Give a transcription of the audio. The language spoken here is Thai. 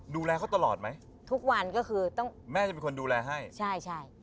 ดูแลเขาตลอดไหมทุกวันก็คือต้องแม่จะเป็นคนดูแลให้ใช่ใช่